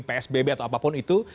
psbb atau apapun itu